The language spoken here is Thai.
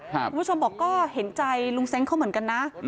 คุณผู้ชมบอกก็เห็นใจลุงเซ้งเขาเหมือนกันนะ